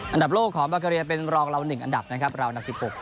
อันดับโลกของบราเกอรียเป็นรองราวหนึ่งอันดับนะครับราวหนักสิบหก